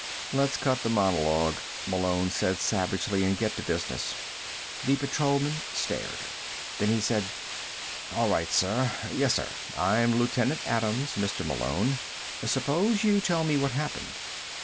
"Let's cut the monologue," Malone said savagely, "and get to business." The patrolman stared. Then he said: "All right, sir. Yes, sir. I'm Lieutenant Adams, Mr. Malone. Suppose you tell me what happened?"